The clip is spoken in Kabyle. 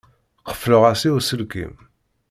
Qefleɣ-as i uselkim.